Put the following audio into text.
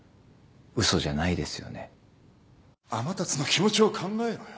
天達の気持ちを考えろよ